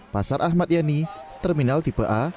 pasar ahmad yani terminal tipe a